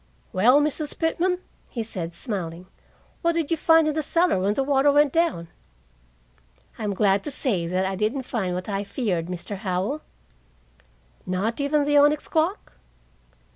"Well, Mrs. Pitman," he said, smiling, "what did you find in the cellar when the water went down?" "I'm glad to say that I didn't find what I feared, Mr. Howell." "Not even the onyx clock?"